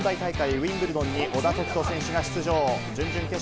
ウィンブルドンに小田凱人選手が出場。